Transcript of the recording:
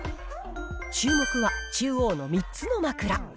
注目は中央の３つの枕。